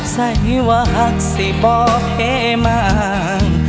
ใส่ว่าหักสี่บ่เหมาง